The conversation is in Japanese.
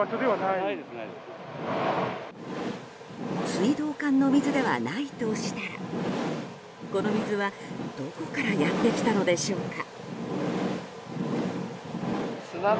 水道管の水ではないとしたらこの水はどこからやってきたのでしょうか。